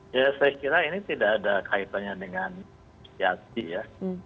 saya kira ini tidak ada kaitannya dengan gapki ya